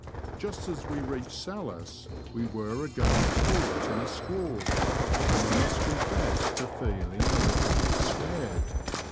Just as we reached Salhouse we were again caught in a squall, and I must confess to feeling a little bit scared.